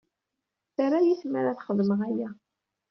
Terra-iyi tmara ad xedmeɣ aya.